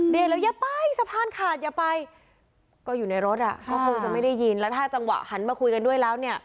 เรียกแล้วอย่าไปสะพานขาดอย่าไปก็อยู่ในรถอ่ะก็คงจะไม่ได้ยินแล้วถ้าจังหวะหันมาคุยกันด้วยแล้วเนี่ย